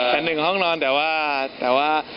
แต่๑ห้องนอนแต่ว่า